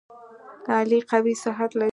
علي قوي صحت لري.